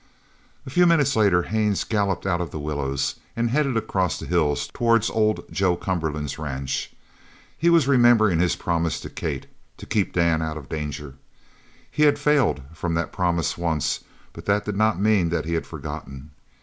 A few moments later Haines galloped out of the willows and headed across the hills towards old Joe Cumberland's ranch. He was remembering his promise to Kate, to keep Dan out of danger. He had failed from that promise once, but that did not mean that he had forgotten.